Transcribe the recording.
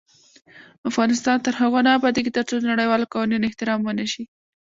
افغانستان تر هغو نه ابادیږي، ترڅو د نړیوالو قوانینو احترام ونشي.